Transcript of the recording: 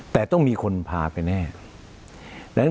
คุณจอมขอบพระคุณครับ